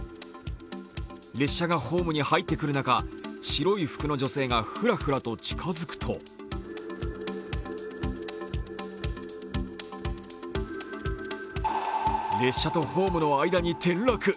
列車がホームに入ってくる中、白い服の女性がふらふらと近づくと列車とホームの間に転落。